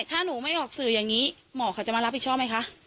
ถ้าหนูไม่ออกสื่ออย่างนี้หมอเขาจะมารับผิดชอบไหมคะ